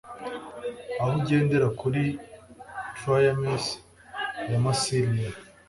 Aho ugendera kuri triremes ya Massilia